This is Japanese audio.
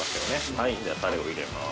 はいじゃタレを入れまーす